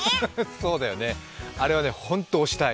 そうだよね、あれはほんと押したい。